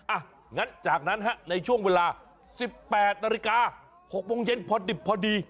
อ่ะงั้นจากนั้นฮะในช่วงเวลา๑๘นาฬิกา๖โมงเย็นพอดิบพอดี